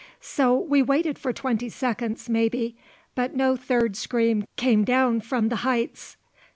So we waited for twenty seconds, maybe; but no third scream came down from the heights.